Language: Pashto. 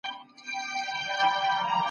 د نه پلوۍ سیاست افغانستان ته ګټه رسوله.